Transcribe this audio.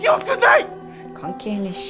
関係ねえし。